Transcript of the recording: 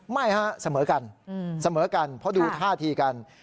ไม่ฮะเสมอกันเสมอกันเพราะดูท่าทีกัน